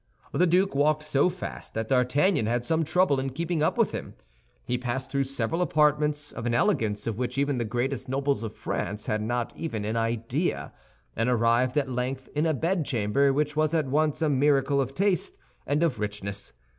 The duke walked so fast that D'Artagnan had some trouble in keeping up with him. He passed through several apartments, of an elegance of which even the greatest nobles of France had not even an idea, and arrived at length in a bedchamber which was at once a miracle of taste and of richness.